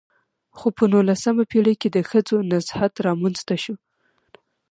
خو په نولسمه پېړۍ کې د ښځو نضهت رامنځته شو .